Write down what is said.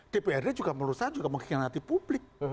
dprd juga merusak juga mengingatkan hati publik